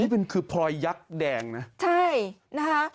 เป็นคือพลอยยักษ์แดงนะใช่นะคะ